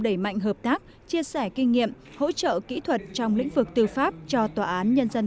đẩy mạnh hợp tác chia sẻ kinh nghiệm hỗ trợ kỹ thuật trong lĩnh vực tư pháp cho tòa án nhân dân